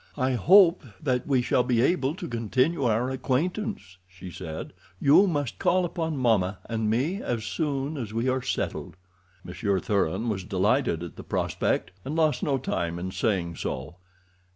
"I hope that we shall be able to continue our acquaintance," she said. "You must call upon mamma and me as soon as we are settled." Monsieur Thuran was delighted at the prospect, and lost no time in saying so.